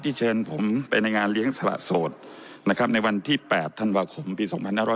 เชิญผมไปในงานเลี้ยงสละโสดนะครับในวันที่๘ธันวาคมปี๒๕๖๐